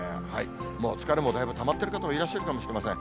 もう疲れもだいぶたまってる方もいらっしゃるかもしれません。